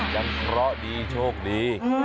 ยังเพราะดีโชคดี